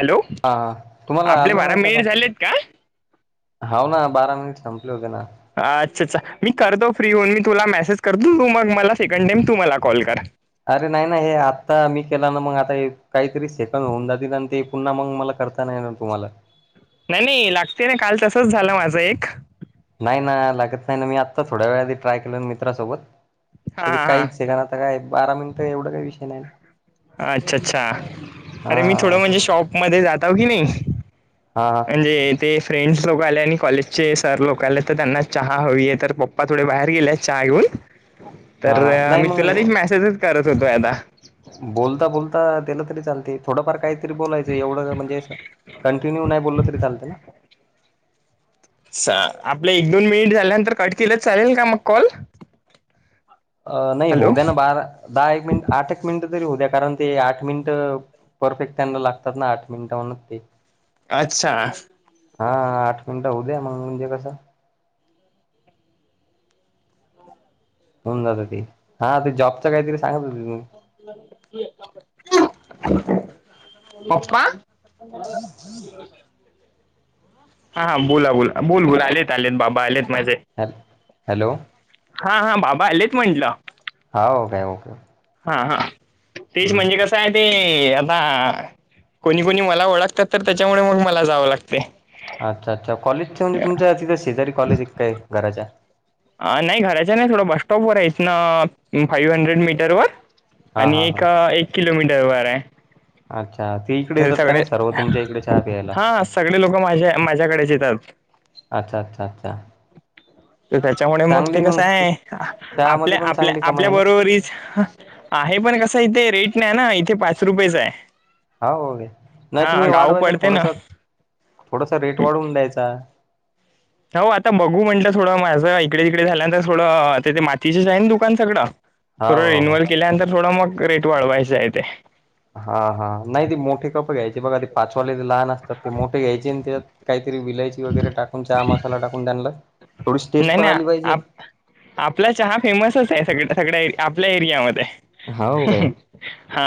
Hello हा तुम्हाला आपले आलं बारा नाही का मिनिट झालेत का हाव ना बारा मिनिटे संपले होते ना अच्छा अच्छा मी करतो फ्री होऊन मी तुला मेसेज करतो तू मग मला सेकंड टाईम तूमला कॉल कर अरे नाही ना हे आत्ता मी केला ना मग आता काहीतरी सेकंड होऊन जातील आणि ते पुन्हा मग मला करत आता नाही येणार तुम्हाला नाही नाही लागते ना काल तसंच झालं माझं एक नाही ना लागत नाही ना मी आत्ता थोड्या वेळा आधी ट्राय केल मित्रासोबत हां तर हां काही सेकंदात आता काय बारा मिनिटं एवढं काही विषय नाही अच्छा अच्छा अरे मी थोडं हा म्हणजे शॉप मध्ये जातोआव की नाही हा हा म्हणजे ते फ्रेंड्स लोक आले आणि कॉलेजचे सर लोक आले तर त्यांना चहा हवी आहे तर पप्पा थोडे बाहेर गेलेत चहा घेऊ न तर हा नाही मी, तीला, मग मेसेज करत होतो आता बोलता बोलता तेलं तरी चालते थोडंफार काहीतरी बोलायचं एवढं म्हणजे कंटिन्यू नाही बोललं तरी चालतं ना सर, आपलं एक दोन मिनिट झाल्यानंतर कट केलं चालेल का मग कॉल नाही होऊ हॅलो द्या ना बारा दहा एक मिनिट आठ एक मिनिट तरी हो द्या कारण ते आठ मिनिट परफेक्ट त्यांला लागतात ना आठ मिनिट म्हणूच, ते अच्छा हा आठ मिनिटं होऊ द्या मग म्हणजे कसं होऊन जात ते हा ते जॉबच काहीतरी सांगत हो तु्मी पप्पा हा हा बोला बोला बोल बोल, आलेत आलेत बाबा आलेत माझे हॅल हॅलो हा हा बाबा आलेच म्हटलं हा हो काय मक हा हा तेच म्हणजे कसं आहे ते आबा, कोणी कोणी मला ओळखतात तर त्याच्यामुळे मग मला जावं लागते अच्छा अच्छा कॉलेजच्या म्हणजे तुमच्या अ, तिथे शेजारी कॉलेज काय घराच्या नाही घरायच्या नाही थोडं बसस्टॉपवरर इच ना फाईव्ह हंड्रेड मीटर वर हां आणि हां एक हां एक किलोमीटरवरर आहे अच्छा ते इकडे हे येतात का सगळे नाही सर्व तुमच्या इकडे चहा प्यायला हा सगळे लोक माझ्या माझ्याकडेच येतात अच्छा अच्छा अच्छा तर त्याच्यामुळे मग ते कसं आहे चहामध्ये आपल्या पण आपल्या चांगली कमाई आपल्या आहे ना बरोबरीच आहे पण कसं इथे रेट नाही ना इथे पाच रुपयेच आहे हा हो नाही हा तुम्ही गाव वाढवायच ना पडते थोडस थोडासा रेट वाढवून द्यायचा हो आता बघू म्हटलं थोडं माझं इकडे तिकडे झाल्यानंतर थोडं ते मातीचे आहे ना दुकान सगळं हा थोडं हो रिन्युअल केल्यानंतर थोडं मग रेट वाळवायचं आहे ते हा हा नाही ती मोठे कप घ्यायची बघा ती पाचवाले लहान ते मोठे घ्यायचे आणि त्यात काहीतरी विलायची वगैरे टाकून चहा मसाला टाकून त्यांना थोडीशी टेस्ट नाही पण आली नाही पाहिजे आप आपला चहा फेमसच आहे सगळ सगळ्या आपल्या एरियामध्ये हा हो काय हा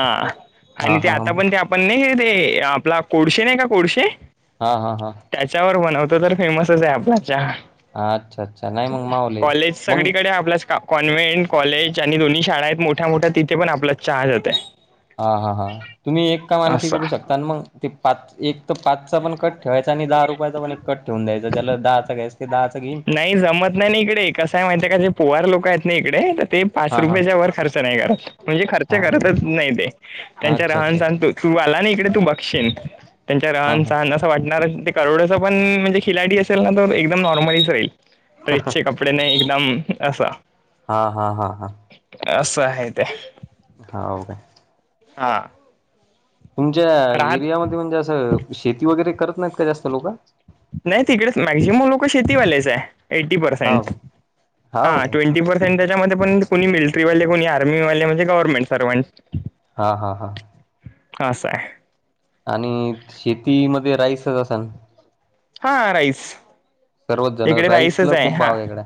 हा आणि ते हा आता पण हा ते पण नाही हे ते आपला कोडसे नाही का कोडसेे हा हा हा त्याच्यावर बनवत तर फेमसच आहे आपला चहा अच्छा अच्छा नाही मग मावले कॉलेज मग सगळीकडे आहे आपल्यास का कॉन्व्हेंट कॉलेज आणि दोन्ही शाळा आहेत मोठ्या मोठ्या तिथे पण आपल्या चहा जाते हा हा हां तुम्ही एक काम आणखी करू असं शकता मग ते पाच एक तर पाचचा पण कट ठेवायचा आणि दहा रुपयाचा पण एक कट ठेवून द्यायचा ज्याला दहाचा गॅस ते दहाचगीन नाही जमत नाही ना इकडे कसंय माहिती आहे का जे पोवार लोक आहेत ना इकडे तर ते पाच हा हा रुपयाच्या वर खर्च नाही करत म्हणजे खर्च हा करतच नाही ते त्यांच्या अच्छा राहान अच्छा अच्छा सांतूच तू आला ना इकडे तू बघशन त्यांच्या हा रहन सहन अस वाट करोड पण म्हणजे खिलाडी असेल ना तर एकदम नॉर्मलच राईल ड्रेसचे कपडे त्याने एकदम असा हा हा हा हा असं आहे ते हा का हा तुमच्या एरियामध्ये म्हणजे असं शेती वगैरे करत नाहीत का जास्त लोक नाही तिकडे माझ म लोक शेतीवाल्याच आहे एटी हाव पर्सेंट काय हा हाव काय ट्वेंटी प त्याच्यामध्ये पण कोणी मिलिटरीवाले कोणी आर्मीवाले म्हणजे गव्हर्नमेंट सर्वं हा हा हा असं आहे आणि शेतीमध्ये राईसच अस हा राईस सर्वच जण इकडे राईसला राईसच आहे खूप हा भाव इकडे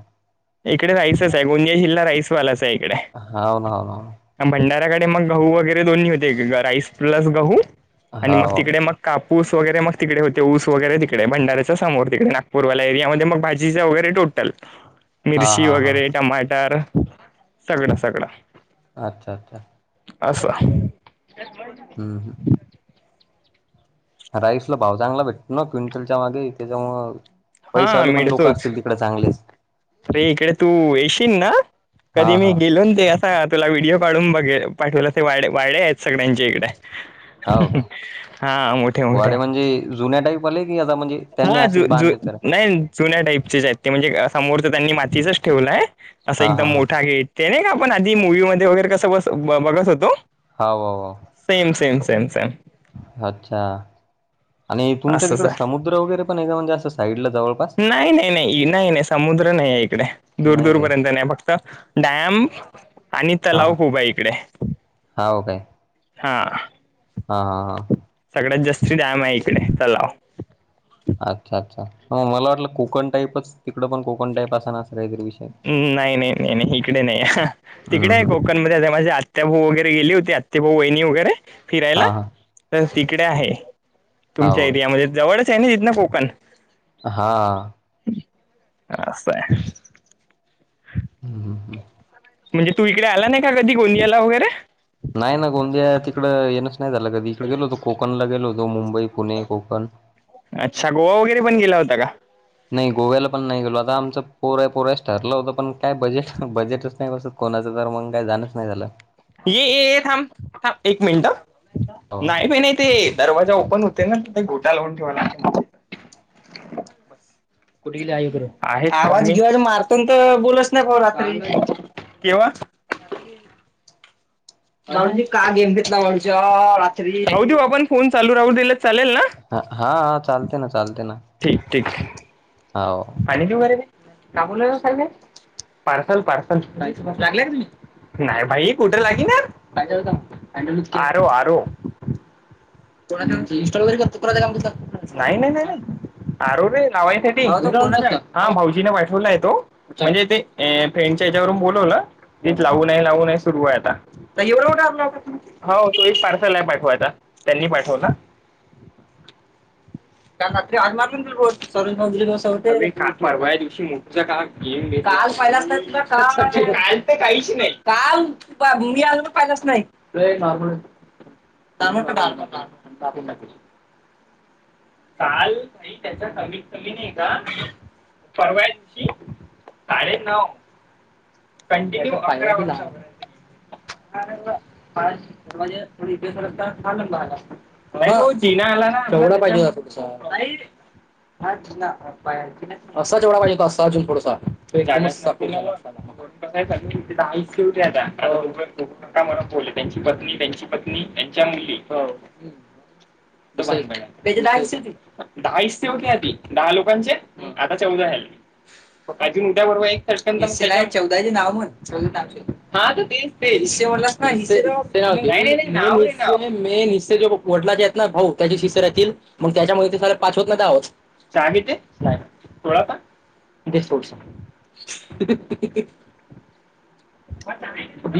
इकडे राईसच आहे गोंदिया जिलला राईसवालाच आहे इकडे हानन भंडाऱ्याकडे मग गहू वगैरे दोन्ही होते राईस प्लस गहू आणि मग हाव. तिकडे मग कापूस वगैरे मग तिकडे होते ऊस वगैरे तिकडे भंडार्याच्या समोर तिकडे नागपूरल्या एरियामध्ये मग भाजीच वगैरे टोटल हा मिरची हा हा वगैरे टमाटर सगळां सगळां अच्छा अच्छा अस ते हम हम राईसला भाव चांगला भेटतो ना क्विंटलच्या मागे त्याच्यामुळ हा पैशावले पण लोक मिळतोच असतील तिकडे चांगलेच अरे इकडे तू येशील ना हा कधी मी हा गेलो ते तुला व्हिडिओ पाडून बघे पाठवला ते वाढ आहेत सगळ्यांच्या इकडे हाव काय हा मोठे मोठे जु्यााईप आले की आता म्हणजे त्यांनी हा ज असेच बांधलेत का नाही जुन्या टाईपचे ज आहेत ते म्हणजे समोर तर त्यांनी मातीचच ठेवलंय असं हा एकदम हा हा मोठा घेत ते नाही का आपण आधी मुूवी म वगैरे कसं बस बघत होतो हो सेम सेम सेम सेम अच्छा आणि तुमच्या असंच तिकडे आहे समुद्र वगैरे पण आहे का म्हणजे असं साईडला जवळ नाही नाही नाही नाही नाही समुद्र नाही आहे इकडे दूर नाही दूर काय पर्यंत नाही फक्त डॅम आणि तलाव खूप आहे इकडे हा काय हा हा हा हा सगळ्यात जास्ती टाइम आहे इकडे तलाव अच्छा अच्छा मग मला वाटलं कोकण टाईपच तिकड पण कोकण टाईप असा नस तरी विषय नाही नाही नाही नाही इकडे नाही हम्म तिकडे आहे हम्म कोक म माझे आत्या भाऊ वगैरे गेले होते आत्यभाऊ वहिणी वगैरे फिरायला हा हा तर तिकडे आहे तुमच्या हाव काय एरियामध्ये जवळच आहे ना तिथन कोकण हा आहे हम हम हम म्हणजे तू इकडे आला नाही का कधी कोणी याला वगैरे नाही ना गोंदिया तिकडं येणच नाही झालं कधी इकडे गेलो होतो कोकणला गेलो होतो मुंबई पुणे कोकण अच्छा गोवा वगैरे पण गेला होता का नाही गोव्याला पण नाही गेलो आता आमचं पोरय पोरास ठरलं होतं पण काय बजेट बजेटच नाही कसं कोणाचं तर मग काही जाणच नाही झालं ये ये थांब थांब एक मिनट हो नाही प नाही ते दरवाजा ओपन होते ना ते घोटा लावून ठेवाला [unintelligible] कुठेई आहे आवाजवाज मारतो तर बोलच नाही भाऊ रात्री केव्हा ह जी का गेम घेतला म्हणज रात्रीऊ दे बा आपण फोन चालू राहू दिले चालेल ना हा हा चालते ना चालते ना ठीक ठीक हो पाणीची वगैरे काब स पार्सल पार्सल लाग तुम्ही नाही भाई कुठे लागे ना ह ह को इनस्टॉल वैे करत काम नाही नाही नाही अरु रे नवाईन सटी हा भाऊजीने पाठवला आहे तो म्हणजे ते फ्रेंडच्या हच्यावरून बोलवला तच लावू नाहीय लावू नाहीय सुरू आहे आता हो सोईश पार्सल आहे पाठवायता त्यांनी पाठवला ह का रात्री आरणारर चौधरी का परवा या दिवशी मोठचा का गेम काल पाहि त काल तर काहीच नाही का मी आल पाहिलंच नाही नॉर्ल त्या ब का चाल आणि त्याच्या कमीत कमी नाही परवाय तशी काले नाव कंटिन्यू पा जे थोडीसग लं बघला होना आला ना तेवढा पाहिजे जो तस असा जेवढा पाहिजे हो असा अजून थोडसा सवटे आता का म्हणत बले त्यांची पत्नी त्यांची पत्नी त्यांच्या मुली द त्याा हास ते दहाो आता चौदा झा अजून उद्या बरोबर एक चटकन असलेला आहे चौदाचे नाव म्हण इसे म्हटलं ना ऐसी मे नि्चय ज वडिलांचे आहेत ना भाऊ त्याचे शिष्य रातील मग त्याच्यामध्ये ते स पाच होत ना दहा होत चगेत नाही थोडासा ब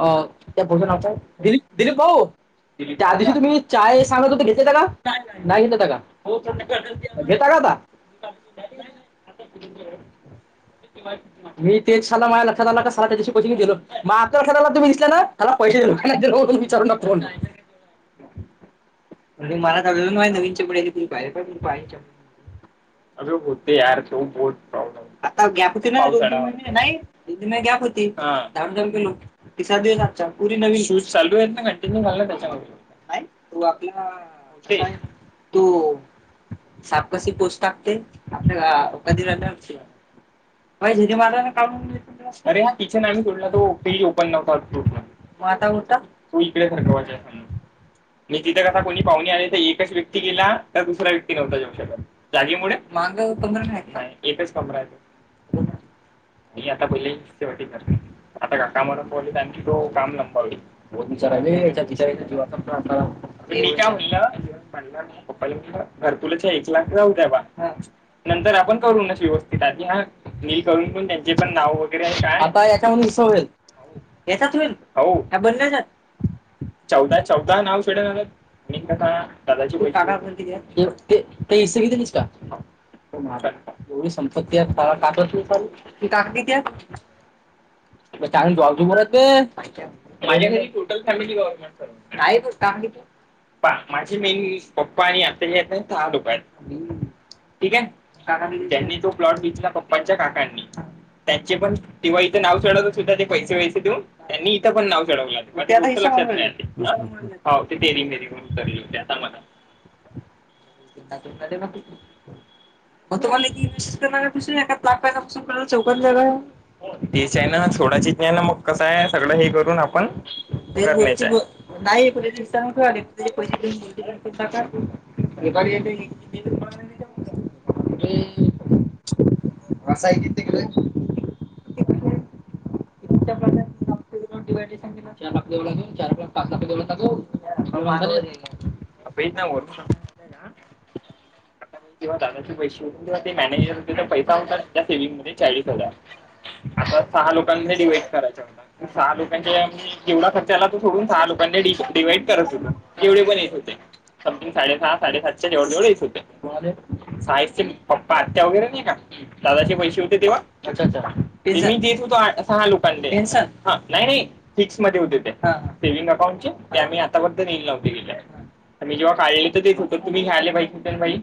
अ त्या बो ना काय दिलीप दिलीप भाऊ त्या दिवशी तुम्ही चाय सांगत हो घेतताता का नाही घेतताता का घेता का आ मी तेच झाला माझ्या लक्षात आलं काला त्याच्याशी कोचिंग गलो मग आत्ता लक्षात आला तुम्ी दिसला ना त्याला पैसे देऊ न विचारू न फो म्हणजे मला जळलं नवीनच्या पुढ त पाहि प पाच्या अ होते यार हो बत प्रॉब्लेम आता गॅप होती नाही नाही गॅप होती ामधाम के लोक ति सात दिवस आजच्या प पुरी नवीन शूज चालू आहेत ना कंटिन्यू घल त्याच्यामध्ये तो आपला तो सापकाशीी पोच टकते आपल्याकाद व े मा का अरे हा किचन आम्ही सोडला तो पेली ओपन नव्हता्रूट मग आता उता तू इकडे सारखं वाचाय सां म्हण तिथं कथा कोणी पाहणी आले तर एकच व्यक्ती गेला तर दुसरा व्यक्तीव्हता जाऊ शकत जागीमुळे मग पंधरा नाही नाही एकच कमरा येत म आता पहिले शेवटी कर आता काकामंपवले तर आणखी तो काम लंपावली हो तिचारा याच्या ति जीवाचा पण पप्पा घर तुलाच्या एक लाख जाऊ द्या बा नंतर आपण करून न व्यवस्थितात हा मी करून पण त्यांचे पण नाव वगैरे आहे काय आताका म्हूनस होईल येचाच होल हो बनच्या चौदा चौदा नाव ेड ना म का दादाची इ घलीस का महारा एवढी संपत्ती काक त चाल त काक कती ांग जाऊजू बरत माझ्या घरी टोटल फॅमिटी गव्हर्मेंट का प माझे मेन पप्पा आणि आता जे आहेत ना दहा ोक आहेत ठीक आहे काका म्ह जनी तो प्लॉट बेचला पप्पाच्या काकांनी त्यांचे पण तेव्हा इथं नाव चढवत सुद्धा ते पैसे वैसे तू त्यांनी इथं पण नाव चढवलं म ते हम्म, हम्म, हम्म. आ हो ते तेरी फेरी होन करले आता मला हो तुम्हाला वि करणारसून ए लाख पसूनला चौकात जा तेच आहे ना छोडाचीच नाही ना मग कसं आहे सगळं हे करून आपण करण्याच आहे नाही कुठे दिसनाठ पहि देऊन बोलते पध काेत [inaudible] रसाय किती किलो आहे चार पासून [inaudible] अपील नाय होत किंवा दादाचे पैसे होते ते मॅनेजर होते पैसे काम करा सेविंग्ज मध्ये चाळीस हजार आता सहा लोकांमध्ये डिवाइड करा चला सहा लोकांच्या या नी जेवढा खर्च आला तो सोडून सहा लोकांनी डिवाइड करा सुरु जेवढे पण येत होते समथिंग साडे सहा साडे सात- च्या जवड जवळ येत होते साहेस चे पप्पा आत्या वगैरे नाही का दादाचे पैसे होते तेव्हा अच्छा अच्छा देत होो सहा लोकांनी टेन्शन हा नाही नाही फिक्स मध्ये होते ते सेव्हंग अकाउंटचे ते आम्ही आतापर्यंत ने नव्हते गेल्या तर मी जेव्हा काढले तर तेच होत तुम्ही घ्या आले बाई किटन भाई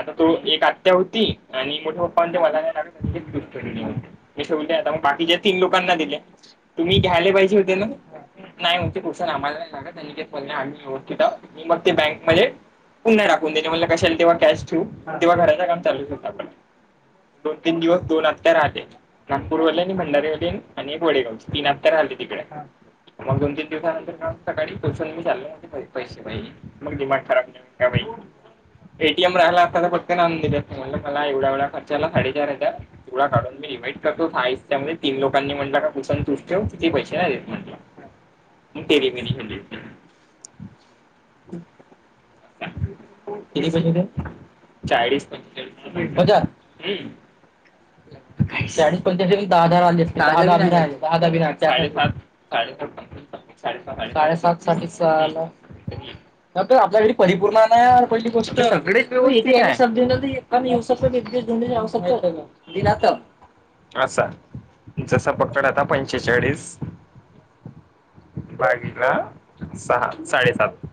आता तो एक आत्या होती आणि मोठ पण ते मला नाही लागत दष्ट मी सग आता मग बाकीच्या तीन लोकांना दिले तुम्ही घ्यायले पाहिजे होते ना नाही उंची पोशन आम्हाला नाही लागत त्यांनी आम्ही येतो तिथ मग ते बँक मध्ये पुन्हा राखून त्याच्या मधला कॅश येईल तेव्हा कॅश ठेऊ तेव्हा घराच काम चालू होईल आप दोन तीन दिवस दोन आत्या राहते. नागपूर वाले आणि भंडारी वाली आणि एक वडेगाव ची तीन आत्या राहते तिकडे मग दोन तीन दिवसानंतर मग सकाळी पोहचल मी चालल पैसे मग दिमाग खराब करता भाई ए टी एम राहिला असता तर फक्त नांद मला एवढा एवढा खर्चा आला साडे चार हजार तुला काढून मी डिवाईड करतो हा हिस्या - मुळे तीन लोकांनी म्हटलं का तूच अन तूच ठेव ती पैसे नाही मी [inaudible] तेरी बिना [inaudible] कती पैसे होते चाळीस पंचेचाळीस हम्म चाळीस पंचेचाळीस चे पण दहा हजार आले असते दहा हजार बी नाय साडेसात साडेसात साठी किती आला आपल्याकडे परिपूर्ण नाही पडली गोष्ट व्यवसाय कर. दिनातम असा जसा पकड आता पंचेचाळीस भागीला सहा साडेसात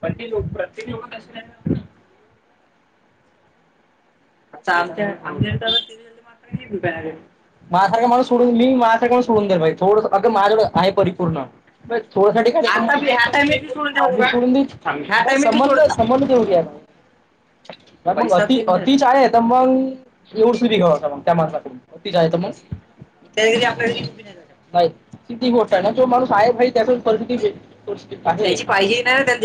पण ती लोक प्रत्येक लोक निव चालतंय आमच्या नाही भुघाय मासारखा माणूस सोडून मी माझसारखा सोडून दे भाई थोडंस अग माझ्याकडे आहे परिपूर्ण थोड साठी काय आता मी आता मी सुडून देऊ संबंध सोडून द्यायचा [inaudible] तीच आहे तर मग बीघावाता मग त्या माणला त तीच आहे तर मग कैऱ्या नाही किती मोठा आहे ना माणूस आहे भाई त्याच्या पर्स भी घे, पर्स घे. अशी पाहिजे ना त्यांनी